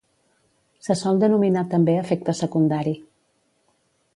Se sol denominar també efecte secundari.